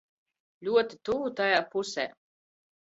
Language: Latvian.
Ļoti tuvu tajā pusē.